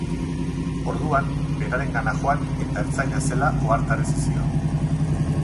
Orduan, berarengana joan eta ertzaina zela ohartarazi zion.